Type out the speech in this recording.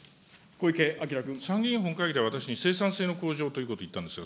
参議院本会議で私に生産性の向上ということを言ったんですよ。